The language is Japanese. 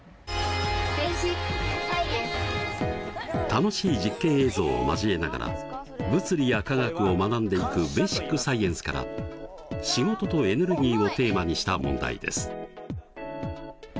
楽しい実験映像を交えながら物理や化学を学んでいく「ベーシックサイエンス」から「仕事とエネルギー」をテーマにした問題です。